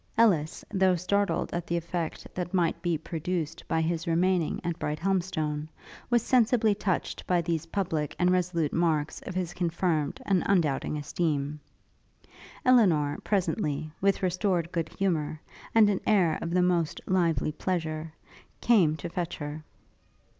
Ellis, though startled at the effect that might be produced by his remaining at Brighthelmstone, was sensibly touched by these public and resolute marks of his confirmed and undoubting esteem. Elinor, presently, with restored good humour, and an air of the most lively pleasure, came to fetch her.